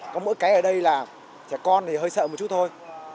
có mỗi cái ở đây là trẻ con thì hơi sợ một chút thôi